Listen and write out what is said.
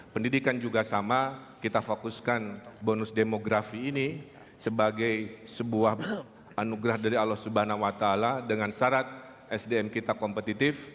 pendidikan juga sama kita fokuskan bonus demografi ini sebagai sebuah anugerah dari allah swt dengan syarat sdm kita kompetitif